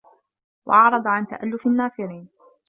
وَأَعْرَضَ عَنْ تَأَلُّفِ النَّافِرِينَ